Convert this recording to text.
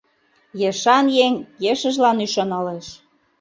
Ешан еҥ ешыжлан ӱшаналеш